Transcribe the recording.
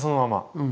うん。